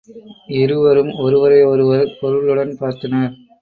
இருவரும் ஒருவரையொருவர் பொருளுடன் பார்த்தனர்.